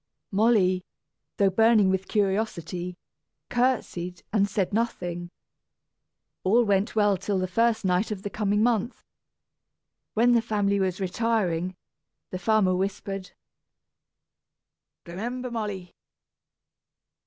Molly, though burning with curiosity, courtesied, and said nothing. All went well till the first night of the coming month. "When the family was retiring, the farmer whispered: "Remember, Molly!